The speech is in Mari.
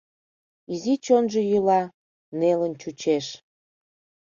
Изи чонжо йӱла, нелын чучеш.